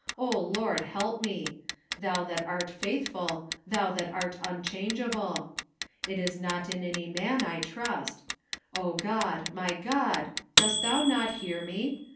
O Lord, help me ! Thou that art faithful, thou that art unchangeable ! It is not in any man I trust. O God, my God, dost thou not hear me